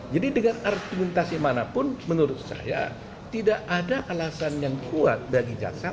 jadi dengan argumentasi manapun menurut saya tidak ada alasan yang kuat bagi jaksa